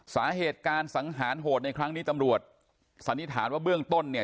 สาเหตุการสังหารโหดในครั้งนี้ตำรวจสันนิษฐานว่าเบื้องต้นเนี่ย